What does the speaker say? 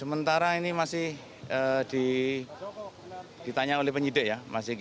sementara ini masih ditanya oleh penyidik ya